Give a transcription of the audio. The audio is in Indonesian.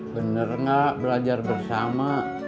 bener gak belajar bersama